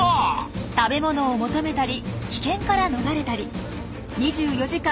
食べ物を求めたり危険から逃れたり２４時間